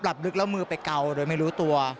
ลึกแล้วมือไปเกาโดยไม่รู้ตัว